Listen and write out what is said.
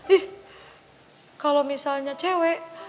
ih kalau misalnya cewek